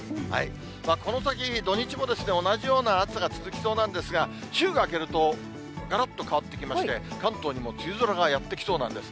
この先土日もですね、同じような暑さが続きそうなんですが、週が明けるとがらっと変わってきまして、関東にも梅雨空がやって来そうなんです。